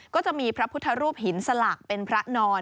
ก็จะมีพระพุทธรูปหินสลักเป็นพระนอน